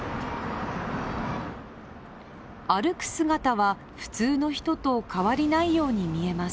歩く姿は普通の人と変わりないように見えます